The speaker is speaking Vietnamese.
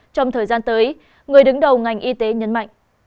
trong thời gian tới người đứng đầu ngành y tế nhấn mạnh